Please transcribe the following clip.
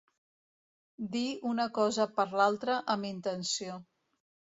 Dir una cosa per l'altra amb intenció.